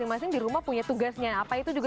masing dua dirumah punya tugasnya apa itu juga